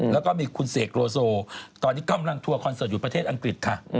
แล้วก็มีคุณเสกโลโซตอนนี้กำลังทัวร์คอนเสิร์ตอยู่ประเทศอังกฤษค่ะ